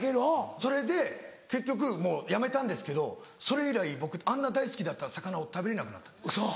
それで結局もうやめたんですけどそれ以来僕あんな大好きだった魚を食べれなくなったんです。